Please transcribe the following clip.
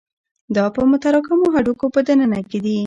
دا په متراکمو هډوکو په دننه کې دي.